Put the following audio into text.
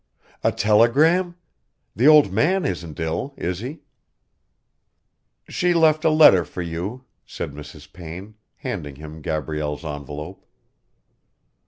"A telegram? The old man isn't ill, is he?" "She left a letter for you," said Mrs. Payne, handing him Gabrielle's envelope.